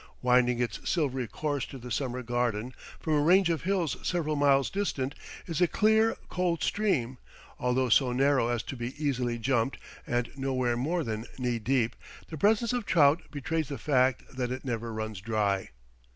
Winding its silvery course to the summer garden, from a range of hills several miles distant, is a clear, cold stream; although so narrow as to be easily jumped, and nowhere more than knee deep, the presence of trout betrays the fact that it never runs dry.